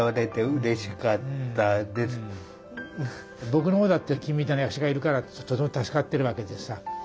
僕の方だって君みたいな役者がいるからとても助かってるわけでさ。